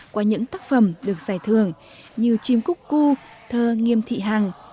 qua những tác phẩm được giải thưởng như chim cúc cu thơ nghiêm thị hàng